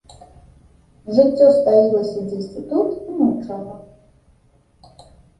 Жыццё стаілася дзесьці тут і маўчала.